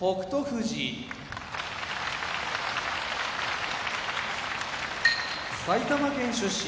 富士埼玉県出身